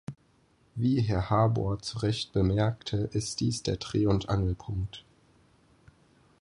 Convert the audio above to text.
Wie Herr Harbour zu Recht bemerkte, ist dies der Dreh- und Angelpunkt.